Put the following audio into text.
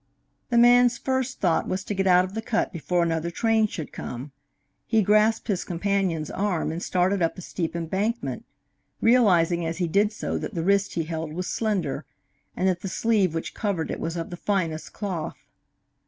The man's first thought was to get out of the cut before another train should come. He grasped his companion's arm and started up the steep embankment, realizing as he did so that the wrist he held was slender, and that the sleeve which covered it was of the finest cloth.